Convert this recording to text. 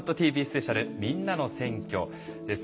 スペシャルみんなの選挙」です。